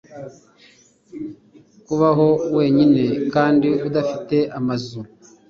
Kubaho wenyine kandi udafite amazu